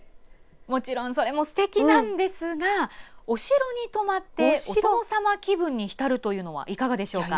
もちろんそれもすてきなんですがお城に泊まって、お殿様気分に浸るというのはいかがでしょうか。